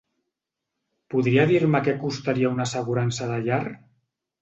Podria dir-me que costaria una assegurança de llar?